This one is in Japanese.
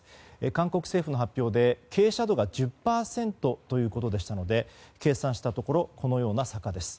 韓国政府の発表で傾斜度が１０％ということでしたので計算したところこのような坂です。